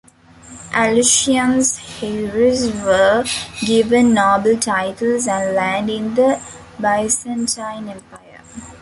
Alusian's heirs were given noble titles and land in the Byzantine Empire.